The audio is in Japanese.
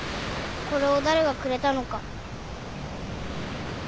これを誰がくれたのか。